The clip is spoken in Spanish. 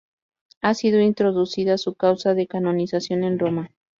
Ha sido introducida su causa de canonización en Roma.